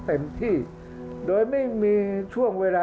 ภาคอีสานแห้งแรง